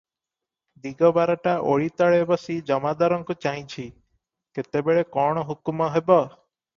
ଦିଗବାରଟା ଓଳିତଳେ ବସି ଜମାଦାରଙ୍କୁ ଚାହିଁଛି, କେତେବେଳେ କଣ ହୁକୁମ ହେବ ।